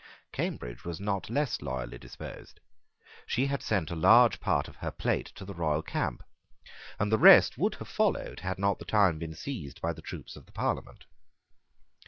Cambridge was not less loyally disposed. She had sent a large part of her plate to the royal camp; and the rest would have followed had not the town been seized by the troops of the Parliament.